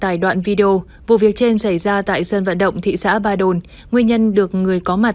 tài đoạn video vụ việc trên xảy ra tại sân vận động thị xã ba đồn nguyên nhân được người có mặt